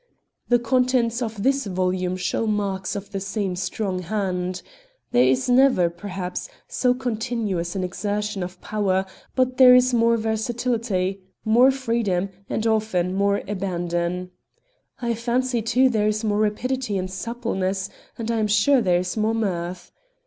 The contents of this volume show marks of the same strong hand. There is never, perhaps, so continuous an exertion of power; but there is more versatility, more freedom, and often more abandon. I fancy, too, there is more rapidity and suppleness, and I am sure there is more mirth.